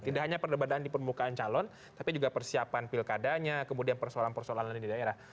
tidak hanya perdebatan di permukaan calon tapi juga persiapan pilkadanya kemudian persoalan persoalan lain di daerah